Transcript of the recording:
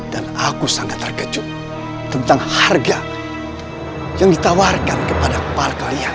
dan aku sangat terkejut tentang harga yang ditawarkan kepada pal kalian